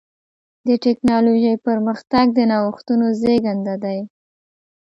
د ټکنالوجۍ پرمختګ د نوښتونو زېږنده دی.